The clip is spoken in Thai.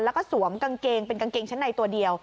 แล้วก็สวมกางเกงเป็นกางเกงชั้นในตัวเดียว